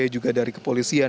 juga dari kepolisian